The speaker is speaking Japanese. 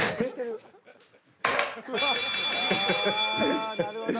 ああなるほど。